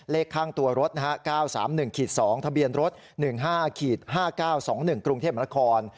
เลขข้างตัวรถ๙๓๑๒ทะเบียนรถ๑๕๕๙๒๑กรุงเทพมนาคม